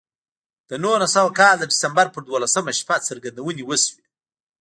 د نولس سوه کال د ډسمبر پر دولسمه شپه څرګندونې وشوې